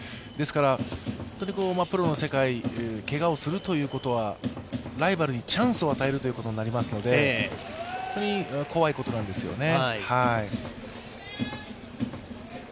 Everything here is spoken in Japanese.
プロの世界、けがをすることはライバルにチャンスを与えることになりますので、本当に怖いことなんですよね。